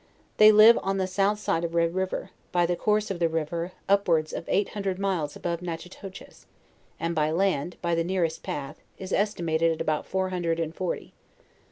They live on the south side of Red river; by the course of the river upwards of eight Hundred miles above Natchitoches, and by land, by the nearest path, is estimated at about four hundred and forty.